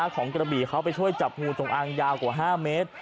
ของกระบี่เขาไปช่วยจับงูจงอางยาวกว่า๕เมตร